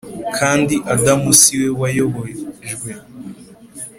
Kandi Adamu si we wayobejwe